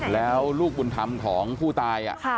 แล้วลูกบุญธรรมของผู้ตาย